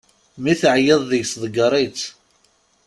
Mi teɛyiḍ deg-s ḍegger-itt.